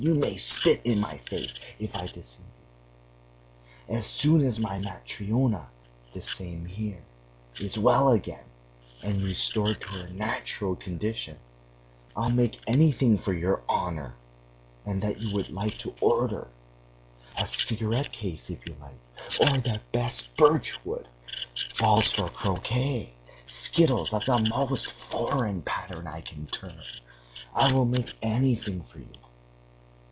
you may spit in my face if I deceive you: as soon as my Matryona, this same here, is well again and restored to her natural condition, I'll make anything for your honor that you would like to order! A cigarette case, if you like, of the best birchwood,... balls for croquet, skittles of the most foreign pattern I can turn.... I will make anything for you!